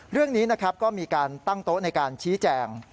เรื่องนี้นะครับก็มีการตั้งโต๊ะในการชี้แจง